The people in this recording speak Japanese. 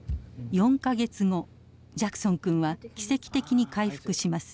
４か月後ジャクソン君は奇跡的に回復します。